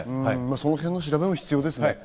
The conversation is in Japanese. そのへんの調べも必要ですね。